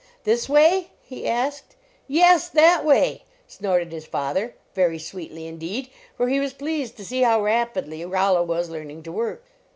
" This way?" he asked. "Yes, that way!" snorted his father, very sweetly, indeed, for he was pleased to see how rapidly Rollo was learning to work.